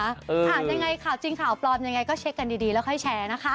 ค่ะยังไงข่าวจริงข่าวปลอมยังไงก็เช็คกันดีแล้วค่อยแชร์นะคะ